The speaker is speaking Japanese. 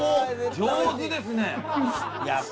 上手ですね！